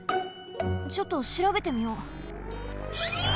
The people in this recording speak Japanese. ちょっとしらべてみよう。